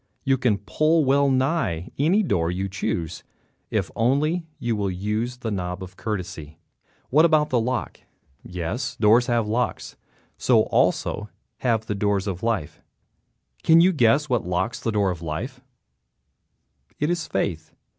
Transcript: You can open well nigh any door you choose if only you will use the knob courtesy. What about the lock? Yes, doors have locks. So also have the doors of life. Can you guess what locks the door of life? It is faith.